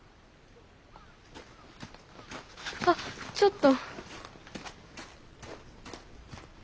あっちょっと。